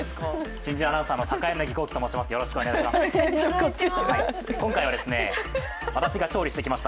新人アナウンサーの高柳光希と申します。